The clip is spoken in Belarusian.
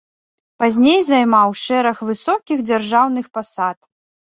Пазней займаў шэраг высокіх дзяржаўных пасад.